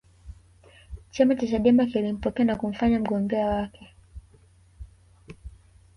chama cha chadema kilimpokea na kumfanya mgombea wake